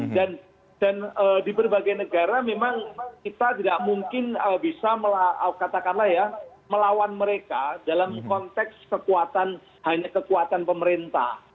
dan di berbagai negara memang kita tidak mungkin bisa katakanlah ya melawan mereka dalam konteks kekuatan hanya kekuatan pemerintah